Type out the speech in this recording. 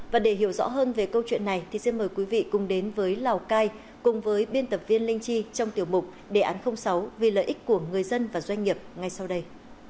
và để hiểu rõ hơn về câu chuyện này thì xin mời quý vị cùng đến với lào cai cùng với biên tập viên linh chi trong tiểu mục đề án sáu vì lợi ích của người dân và doanh nghiệp ngay sau đây